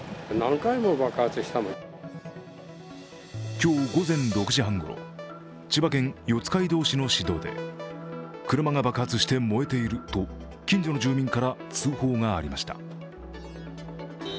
今日午前６時半ごろ、千葉県四街道市の市道で車が爆発して燃えていると近所の住民から通報がありました。